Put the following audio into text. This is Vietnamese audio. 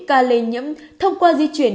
ca lây nhiễm thông qua di chuyển